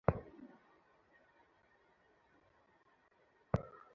মাঘের শেষ বিকেলের বাঘের চোখের রঙের রোদ্দুরে ওদের শরীর যেন ঝলকাচ্ছে।